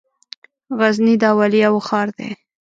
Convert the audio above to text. غزني د اولياوو ښار ده